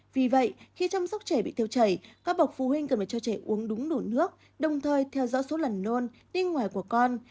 vì vậy khi chăm sóc trẻ bị tiêu chảy các bậc phụ huynh cần phải cho trẻ uống đúng đủ nước đồng thời theo dõi số lần nôn đi ngoài của con